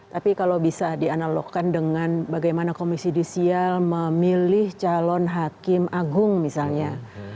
tapi kalau bisa dianalogkan dengan bagaimana komisi disial memilih calon hakim agung misalnya